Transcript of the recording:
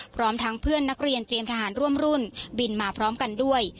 พร้อมทั้งเพื่อนนักเรียนเตรียมทหารร่วมรุ่นบินมาพร้อมกันด้วย